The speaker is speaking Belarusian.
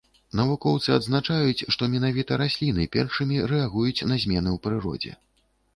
Навукоўцы адзначаюць, што менавіта расліны першымі рэагуюць на змены ў прыродзе.